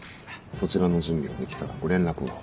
そちらの準備ができたらご連絡を。